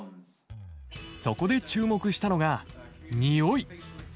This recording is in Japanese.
そこで注目したのが匂い。